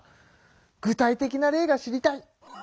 具体的な例が知りたい。